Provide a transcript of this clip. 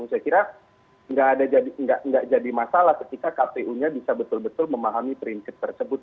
saya kira tidak jadi masalah ketika kpu nya bisa betul betul memahami prinsip tersebut